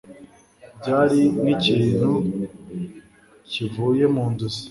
Byari nkikintu kivuye mu nzozi.